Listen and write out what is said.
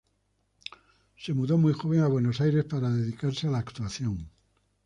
Se mudó muy joven a Buenos Aires para dedicarse a la actuación.